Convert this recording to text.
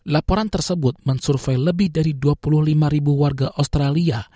laporan tersebut mensurvei lebih dari dua puluh lima ribu warga australia